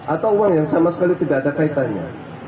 atau uang yang sama sekali tidak ada kaitannya